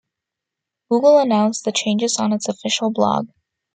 Google announced the changes on its official blog.